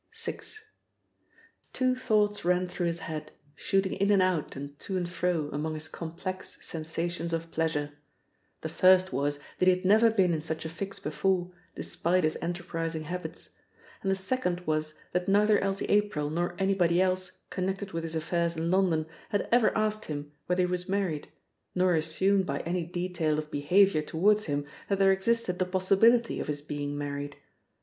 VI. Two thoughts ran through his head, shooting in and out and to and fro among his complex sensations of pleasure. The first was that he had never been in such a fix before, despite his enterprising habits. And the second was that neither Elsie April nor anybody else connected with his affairs in London had ever asked him whether he was married, nor assumed by any detail of behaviour towards him that there existed the possibility of his being married.